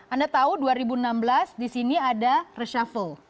anda tahu dua ribu enam belas di sini ada reshuffle